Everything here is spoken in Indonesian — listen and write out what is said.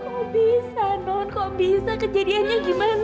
kok bisa non kok bisa kejadiannya gimana